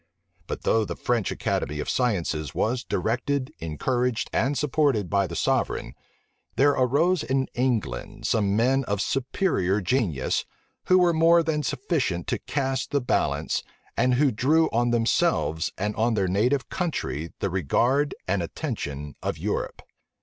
But though the French Academy of Sciences was directed, encouraged, and supported by the sovereign, there arose in England some men of superior genius, who were more than sufficient to cast the balance, and who drew on themselves and on their native country the regard and attention of Europe.